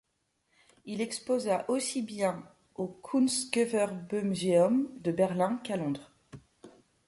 Il exposa aussi bien au Kunstgewerbemuseum de Berlin qu'à Londres.